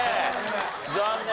残念。